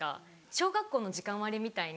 小学校の時間割みたいに。